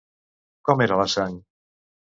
Com era la sang?